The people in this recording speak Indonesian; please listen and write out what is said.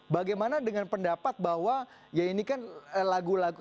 bagaimana dengan pendapat bahwa ya ini kan lagu lagu